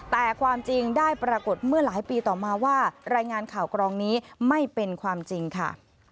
แต่ความจริงได้ปรากฏเมื่อหลายปีต่อมาว่ารายงานข่าวกรองนี้ไม่เป็นความจริงค่ะ